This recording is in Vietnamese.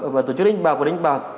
và tổ chức đánh bạc và đánh bạc